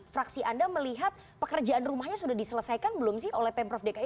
fraksi anda melihat pekerjaan rumahnya sudah diselesaikan belum sih oleh pemprov dki